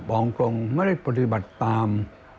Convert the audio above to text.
บอกตรงไม่ได้ปฏิบัติตาม